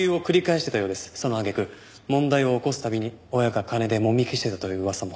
その揚げ句問題を起こす度に親が金でもみ消してたという噂も。